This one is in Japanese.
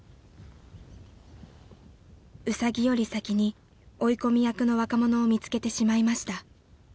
［ウサギより先に追い込み役の若者を見つけてしまいました］